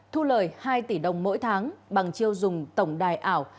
thu lời hai tỷ đồng mỗi tháng bằng chiêu dùng tổng đài ảo